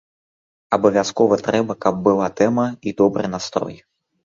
Абавязкова трэба, каб была тэма і добры настрой.